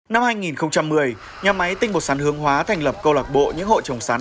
năm hai nghìn một mươi nhà máy tinh bột sắn hướng hóa thành lập câu lạc bộ những hộ trồng sắn